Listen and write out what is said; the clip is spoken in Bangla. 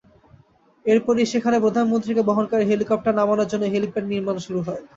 এরপরই সেখানে প্রধানমন্ত্রীকে বহনকারী হেলিকপ্টার নামানোর জন্য হেলিপ্যাড নির্মাণ শুরু হয়।